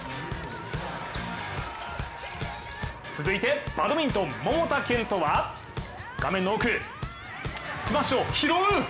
続いてバドミントン・桃田賢斗は画面の奥、スマッシュを拾う！